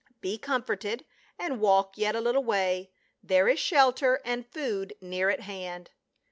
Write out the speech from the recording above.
" Be comforted and walk yet a little way ; there is shelter and food near at hand."